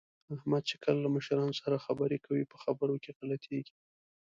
احمد چې کله له مشرانو سره خبرې کوي، په خبرو کې غلطېږي